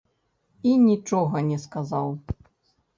І нічога не сказаў.